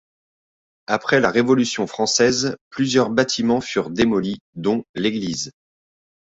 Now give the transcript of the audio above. Après la Révolution Française, plusieurs bâtiments furent démolis, dont l'église.